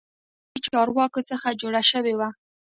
د حکومتي چارواکو څخه جوړه شوې وه.